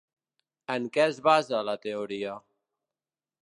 En què es basa la teoria?